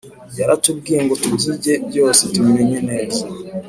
Yaratubwiye ngo tubyige byose tubimenye neza